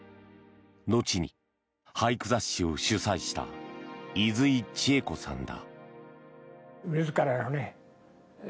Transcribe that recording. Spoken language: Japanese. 後に、俳句雑誌を主宰した出井知恵子さんだ。